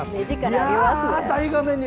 いやー、大画面に。